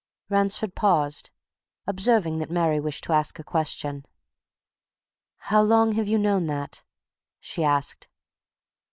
Ransford paused, observing that Mary wished to ask a question. "How long have you known that?" she asked.